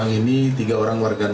kemudian alat skimmer yang dimasukkan